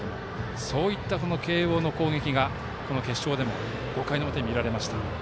そういった慶応の攻撃が決勝でも５回の表に見られました。